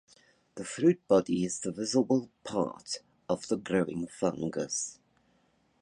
The fruit body is the visible part of the growing fungus.